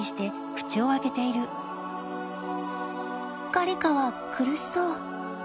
カリカは苦しそう。